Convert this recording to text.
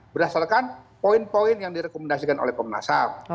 berdasarkan poin poin yang direkomendasikan oleh komnas ham